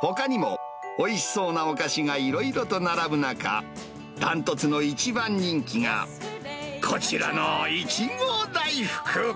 ほかにも、おいしそうなお菓子がいろいろと並ぶ中、ダントツの一番人気がこちらの苺大福。